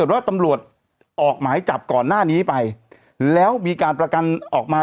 ว่าตำรวจออกหมายจับก่อนหน้านี้ไปแล้วมีการประกันออกมา